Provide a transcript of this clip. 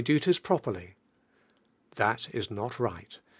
v duties properly! That la not right.